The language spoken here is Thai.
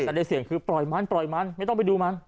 แต่ใดเสียงคือปล่อยมันไม่ต้องไปดูมัน